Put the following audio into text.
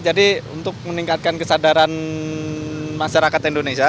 jadi untuk meningkatkan kesadaran masyarakat indonesia